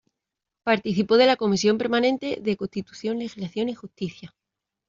Participó de la comisión permanente de Constitución, Legislación y Justicia.